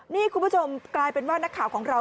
นี่คุณผู้ชมกลายเป็นว่านักข่าวของเรา